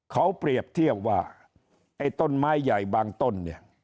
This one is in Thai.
เขาเปรียบเทียบว่าไอ้ต้นไม้ใหญ่บางต้นเนี่ย